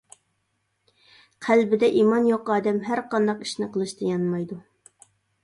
قەلبىدە ئىمان يوق ئادەم ھەرقانداق ئىشنى قىلىشتىن يانمايدۇ.